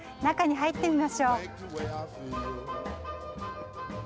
中に入ってみましょう。